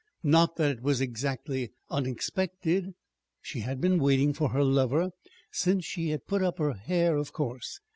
Not that it was exactly unexpected: she had been waiting for her lover since she had put up her hair, of course.